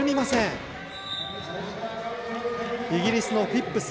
イギリスのフィップス。